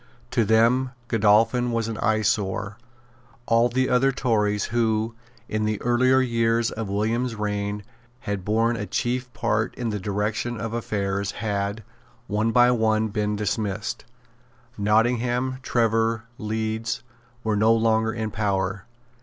To them Godolphin was an eyesore. All the other Tories who, in the earlier years of William's reign, had borne a chief part in the direction of affairs, had, one by one, been dismissed. Nottingham, Trevor, Leeds, were no longer in power.